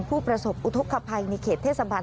ผู้ประสบอุทธกภัยในเขตเทศบาล